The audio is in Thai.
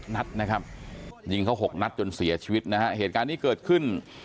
นัดนะครับยิงเขา๖นัดจนเสียชีวิตนะฮะเหตุการณ์นี้เกิดขึ้น